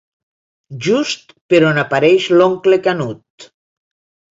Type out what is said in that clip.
Just per on apareix l'oncle Canut.